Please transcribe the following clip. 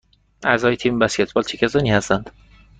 اعضای تیم بسکتبال چه کسانی هستند؟